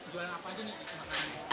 jualan apa aja nih